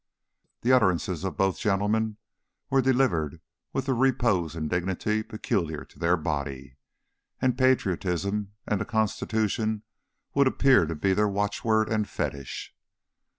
The utterances of both gentlemen were delivered with the repose and dignity peculiar to their body, and Patriotism and the Constitution would appear to be their watchword and fetish.